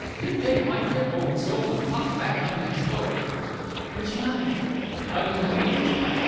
You take my tip, old soul, and pop back on the next boat." "Which line?" "How do you mean, which line?